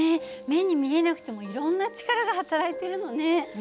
目に見えなくてもいろんな力がはたらいてるのね。